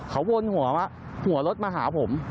เขาวนหัวรถมาหาผม